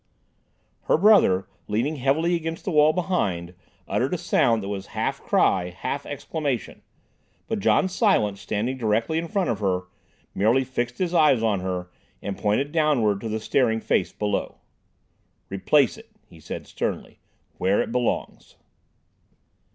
Her brother, leaning heavily against the wall behind, uttered a sound that was half cry, half exclamation, but John Silence, standing directly in front of her, merely fixed his eyes on her and pointed downwards to the staring face below. "Replace it," he said sternly, "where it belongs."